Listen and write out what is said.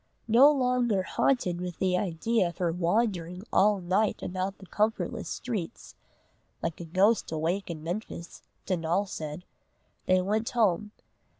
No longer haunted with the idea of her wandering all night about the comfortless streets, "like a ghost awake in Memphis," Donal said, they went home.